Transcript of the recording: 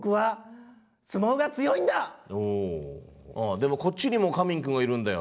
でもこっちにも神民くんがいるんだよ。